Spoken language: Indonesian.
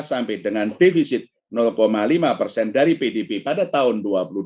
sampai dengan defisit lima persen dari pdb pada tahun dua ribu dua puluh